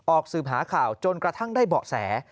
สืบหาข่าวจนกระทั่งได้เบาะแส